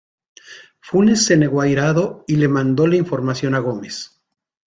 Funes se negó airado y le mandó la información a Gómez.